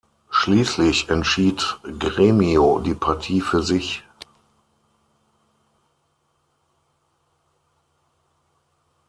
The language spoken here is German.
Schließlich entschied Grêmio die Partie für sich.